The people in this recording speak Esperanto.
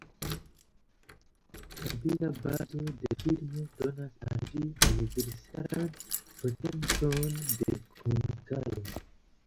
La vida bazo de filmo donas al ĝi universalan potencon de komunikado.